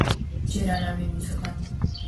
ჯერ არავინ იცოდა.